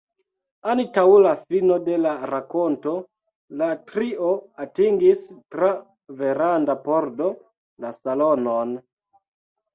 Antaŭ la fino de la rakonto, la trio atingis, tra veranda pordo, la salonon.